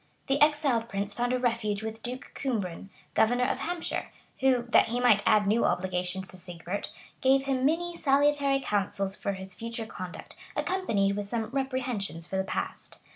The exiled prince found a refuge with Duke Cumbran, governor of Hampshire; who, that he might add new obligations to Sigebert, gave him many salutary counsels for his future conduct, accompanied with some reprehensions for the past.